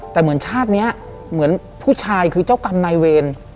แต่เหมือนชาตินี้เหมือนผู้ชายคือเจ้ากรรมนายเวร